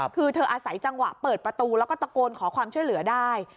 คือเธออาศัยจังหวะเปิดประตูแล้วก็ตะโกนขอความช่วยเหลือได้